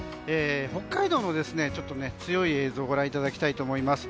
北海道の映像をご覧いただきたいと思います。